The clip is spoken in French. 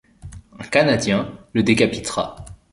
Un Canadien le décapitera.